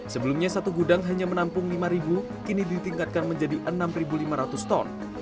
sebelumnya satu gudang hanya menampung lima kini ditingkatkan menjadi enam lima ratus ton